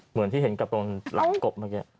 เหมือนที่เห็นกับตรงหลังกบเมื่อกี้